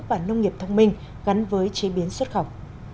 và nông nghiệp thông minh gắn với chế biến xuất khẩu